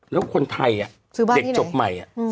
แล้วคนไทยเด็กจบใหม่